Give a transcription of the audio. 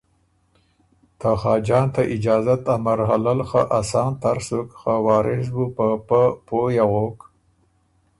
ته خاجان ته اجازت ا مرحلۀ ل خه اسان تر سُک خه وارث بُو په پۀ پوی اغوک